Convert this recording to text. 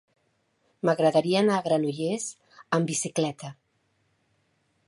M'agradaria anar a Granollers amb bicicleta.